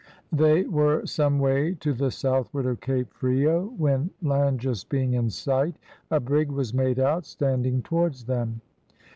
They were some way to the southward of Cape Frio, when land just being in sight, a brig was made out, standing towards them.